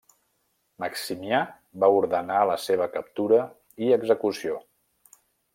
Maximià va ordenar la seva captura i execució.